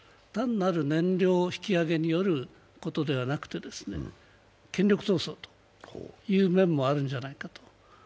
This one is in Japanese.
単なる燃料引き上げによることではなくて権力闘争という面もあるんじゃないかと。